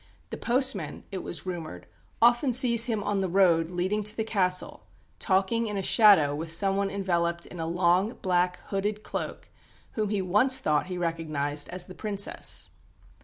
"The postman," it was rumoured, "often sees him on the road leading to the castle, talking in a shadow with someone enveloped in a long, black, hooded cloak, whom he once thought he recognised as the Princess."